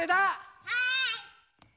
はい！